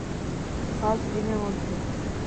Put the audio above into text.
পাঁচ দিনের মধ্যে।